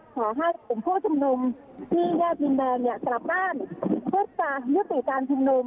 ขอให้กลุ่มผู้ชุมนุมที่แยกดินแดงเนี่ยกลับบ้านเพื่อจะยุติการชุมนุม